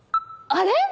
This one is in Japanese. あれ？